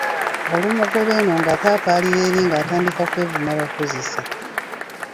Olumugoba eno ng'ate apaalira eri nga atandika kwevuma bakozesa.